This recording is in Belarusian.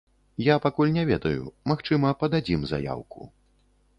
Я пакуль не ведаю, магчыма, пададзім заяўку.